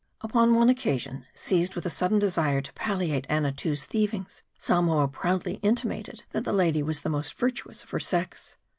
Upon one occasion, seized with a sudden desire to palliate Annatoo's thievings, Samoa proudly intimated, that the lady was the most virtuous of her sex.